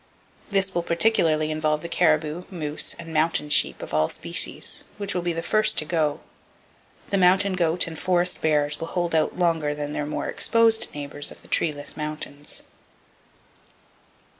This will particularly involve the caribou, moose, and mountain sheep of all species, which will be the first to go. The mountain goat and the forest bears will hold out longer than their more exposed neighbors of the treeless mountains.